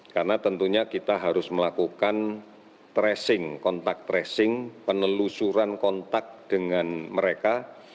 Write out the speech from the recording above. karena tentunya kita harus melakukan tracing kontak tracing penelusuran kontak dengan mereka